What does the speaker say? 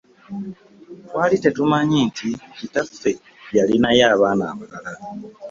Twali tetumanyi nti kitaffe yalinayo abaana abalala.